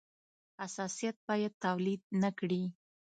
حساسیت باید تولید نه کړي.